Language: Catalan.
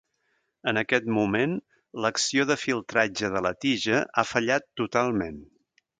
En aquest moment, l'acció de filtratge de la tija ha fallat totalment.